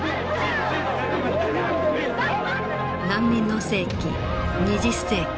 難民の世紀２０世紀。